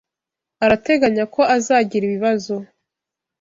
Arateganya ko azagira ibibazo.